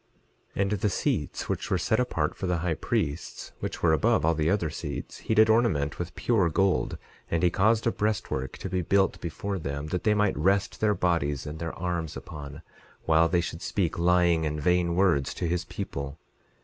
11:11 And the seats which were set apart for the high priests, which were above all the other seats, he did ornament with pure gold; and he caused a breastwork to be built before them, that they might rest their bodies and their arms upon while they should speak lying and vain words to his people.